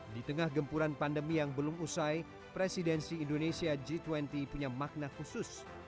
di tengah gempuran pandemi yang belum usai presidensi indonesia g dua puluh punya makna khusus